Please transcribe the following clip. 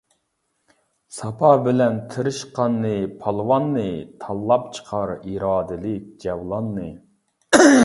ساپا بىلەن تىرىشقاننى پالۋاننى، تاللاپ چىقار ئىرادىلىك جەۋلاننى.